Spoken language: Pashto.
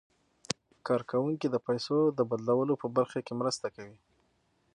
کارکوونکي د پيسو د بدلولو په برخه کې مرسته کوي.